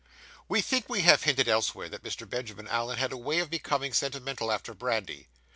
We think we have hinted elsewhere, that Mr. Benjamin Allen had a way of becoming sentimental after brandy.